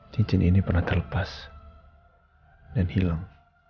cincin ini pernah terlepas dan hilang